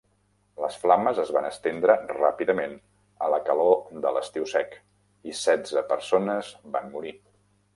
Les flames es van estendre ràpidament a la calor de l'estiu sec, i setze persones van morir.